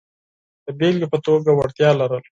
د بېلګې په توګه وړتیا لرل.